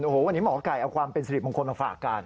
โอ้โหวันนี้หมอไก่เอาความเป็นสิริมงคลมาฝากกัน